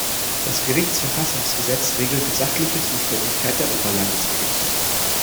Das Gerichtsverfassungsgesetz regelt die sachliche Zuständigkeit der Oberlandesgerichte.